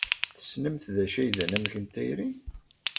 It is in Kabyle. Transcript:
Tessnemt d acu ay d anamek n tayri?